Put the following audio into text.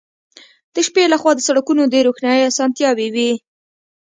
د شپې له خوا د سړکونو د روښنايي اسانتیاوې وې